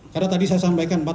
karena tadi saya sampaikan